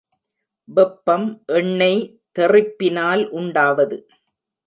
வெப்பம் எண்ணெய் தெறிப்பினால் உண்டாவது.